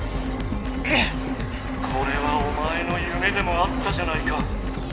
これはおまえのゆめでもあったじゃないか。